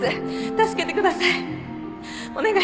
助けてください